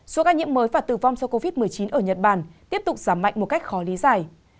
số ca nhiễm mới và tử vong do covid một mươi chín ở nhật bản tiếp tục giảm mạnh một cách khó lý giải